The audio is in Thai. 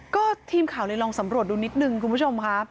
ก็ทีมข่าวเลยลองสำรวจดูนิดนึงคุณผู้ชมค่ะ